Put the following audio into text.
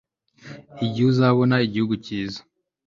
igihe uzabona igihugu cyiza